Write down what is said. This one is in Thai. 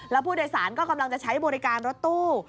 แล้วผู้โดยสารก็กำลังจะใช้บริการรถตู้